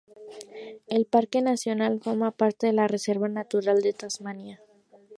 El parque nacional forma parte de la Reserva natural de Tasmania.